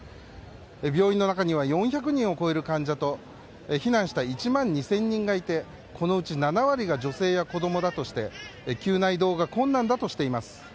病院の中には４００人を超える患者と避難した１万２０００人がいてこのうち７割が女性や子供だとして急な移動が困難だとしています。